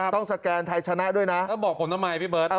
ต้องสแกนไทยชนะด้วยนะ